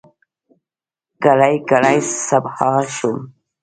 کړۍ، کړۍ صهبا شوم